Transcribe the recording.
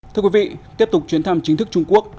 thưa quý vị tiếp tục chuyến thăm chính thức trung quốc